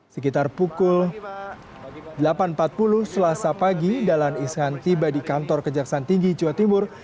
sekitar pukul delapan empat puluh selasa pagi dahlan iskan tiba di kantor kejaksaan tinggi jawa timur